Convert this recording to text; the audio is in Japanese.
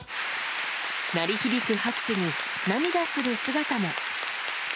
鳴り響く拍手に涙する姿も。